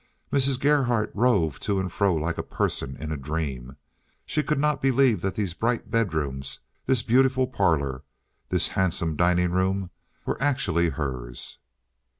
Mrs. Gerhardt roved to and fro like a person in a dream. She could not believe that these bright bedrooms, this beautiful parlor, this handsome dining room were actually hers.